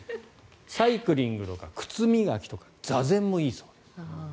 サイクリングとか靴磨きとか座禅もいいそうです。